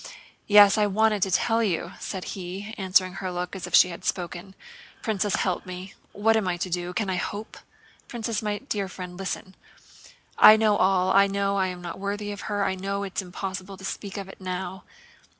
"Yes, I wanted to tell you," said he, answering her look as if she had spoken. "Princess, help me! What am I to do? Can I hope? Princess, my dear friend, listen! I know it all. I know I am not worthy of her, I know it's impossible to speak of it now.